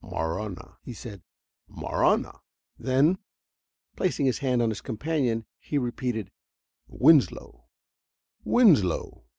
"Marahna," he said. "Marahna!" Then, placing his hand on his companion, he repeated: "Winslow Winslow!"